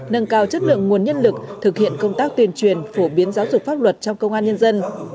nâng cao chất lượng nguồn nhân lực thực hiện công tác tuyên truyền phổ biến giáo dục pháp luật trong công an nhân dân